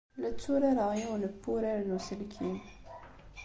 La tturareɣ yiwen n wurar n uselkim.